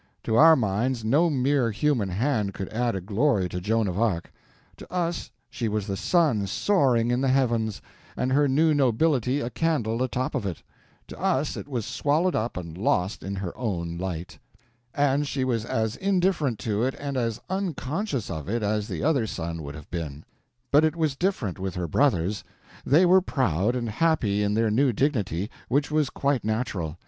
To our minds no mere human hand could add a glory to Joan of Arc. To us she was the sun soaring in the heavens, and her new nobility a candle atop of it; to us it was swallowed up and lost in her own light. And she was as indifferent to it and as unconscious of it as the other sun would have been. But it was different with her brothers. They were proud and happy in their new dignity, which was quite natural.